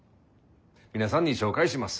皆さんに紹介します。